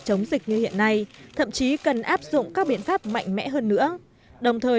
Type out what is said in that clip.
chống dịch như hiện nay thậm chí cần áp dụng các biện pháp mạnh mẽ hơn nữa đồng thời